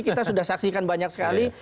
kita sudah saksikan banyak sekali